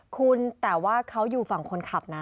คุณแต่ว่าเขาอยู่ฝั่งคนขับนะ